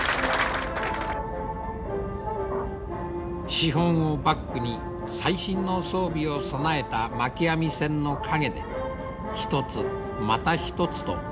資本をバックに最新の装備を備えたまき網船の陰で一つまた一つと伝統の一本づり